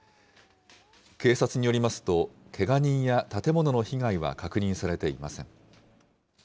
警察によりますと、けが人や建物の被害は確認されていません。